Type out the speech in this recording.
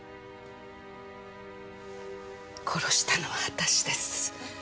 殺したのは私です。